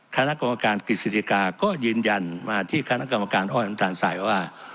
คณะกรรมการกฤษฎิกาก็ยืนยันมาที่คณะกรรมการอ้อยน้ำตาลสายว่า